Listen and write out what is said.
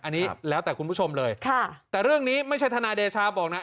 อันนี้แล้วแต่คุณผู้ชมเลยค่ะแต่เรื่องนี้ไม่ใช่ทนายเดชาบอกนะ